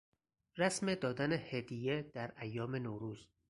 رسم دادن هدیه در ایام نوروز